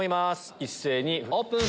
一斉にオープン！